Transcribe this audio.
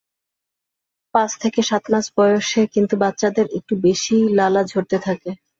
পাঁচ থেকে সাত মাস বয়সে কিন্তু বাচ্চাদের একটু বেশিই লালা ঝরতে থাকে।